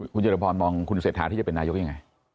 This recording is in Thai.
คุณเจรพรมองคุณเศรษฐาที่จะเป็นนายกยังไง